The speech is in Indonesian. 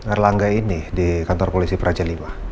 erlangga ini di kantor polisi praja lima